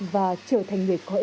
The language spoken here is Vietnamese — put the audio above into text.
và trở thành người có ích cho xã hội